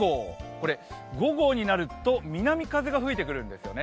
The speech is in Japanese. これ、午後になると南風が吹いてくるんですよね。